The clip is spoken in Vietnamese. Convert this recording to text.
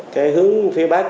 cái hướng phía bắc